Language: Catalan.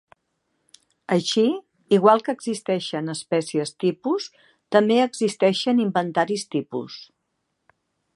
Així, igual que existeixen espècies tipus, també existeixen inventaris tipus.